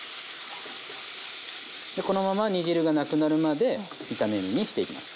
このまま煮汁がなくなるまで炒め煮にしていきます。